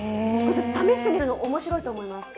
試してみるの、面白いと思います。